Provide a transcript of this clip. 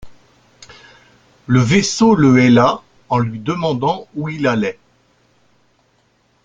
Le vaisseau le héla, en lui demandant où il allait.